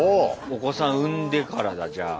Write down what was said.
お子さん産んでからだじゃあ。